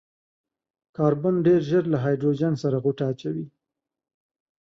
کاربن ډېر ژر له هايډروجن سره غوټه اچوي.